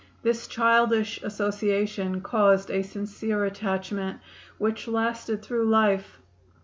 This childish association caused a sincere attachment, which lasted through life.